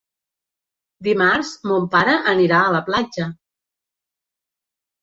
Dimarts mon pare anirà a la platja.